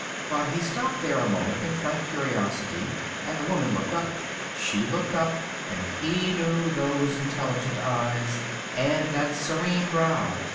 But he stopped there a moment, in frank curiosity, and the woman looked up. She looked up, and he knew those intelligent eyes and that serene brow.